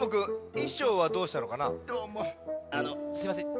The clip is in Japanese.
あのすいません。